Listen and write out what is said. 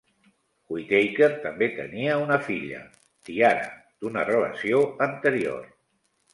Whitaker també tenia una filla, Tiara, d'una relació anterior.